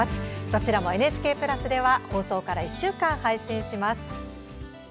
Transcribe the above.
どちらも、ＮＨＫプラスでは放送から１週間、配信します。